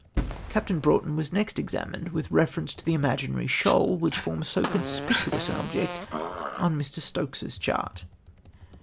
Captain Broughton was next examined with reference to the imaginary shoal, which forms so conspicuous an object on Mr. Stokes's chart (C).